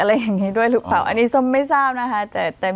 อะไรอย่างนี้ด้วยหรือเปล่าอันนี้ส้มไม่ทราบนะคะ